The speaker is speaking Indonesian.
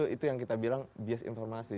itu yang kita bilang bias informasi